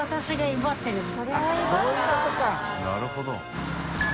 なるほど。